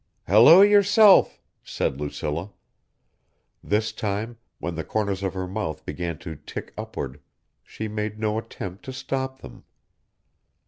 "Hello yourself," said Lucilla. This time when the corners of her mouth began to tick upward, she made no attempt to stop them.